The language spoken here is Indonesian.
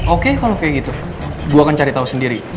oke kalo kayak gitu gue akan cari tau sendiri